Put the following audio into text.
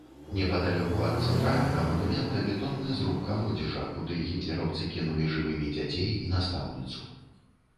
Непадалёку ад цэнтральнага манумента бетонны зруб калодзежа, куды гітлераўцы кінулі жывымі дзяцей і настаўніцу.